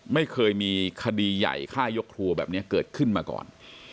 ไม่เคยมีคดีใหญ่ฆ่ายกครัวแบบนี้เกิดขึ้นมาก่อน